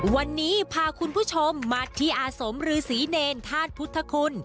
วันนี้พาคุณผู้ชมมาที่อาสมฤษีเนรธาตุพุทธคุณ